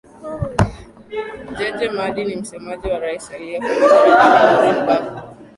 jeje madii ni msemaji wa rais aliyeko madarakani lauren bagbo